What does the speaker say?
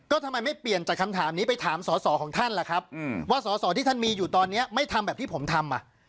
ก็ทำไมไม่เปลี่ยนจากคำถามนี้ไปถามสอสอของท่านล่ะครับว่าสอสอที่ท่านมีอยู่ตอนนี้ไม่ทำแบบที่ผมทำ